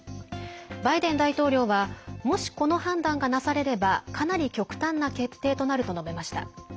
バイデン大統領はもし、この判断がなされればかなり極端な決定となると述べました。